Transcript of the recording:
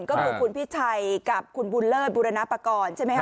ก็คือคุณพิชัยกับคุณบุรเนิดบุรณปกรณ์